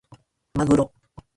まぐろ